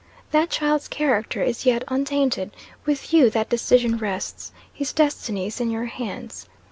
That child's character is yet untainted; with you that decision rests his destiny is in your hands.